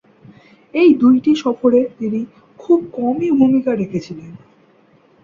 এ দুইটি সফরে তিনি খুব কমই ভূমিকা রেখেছিলেন।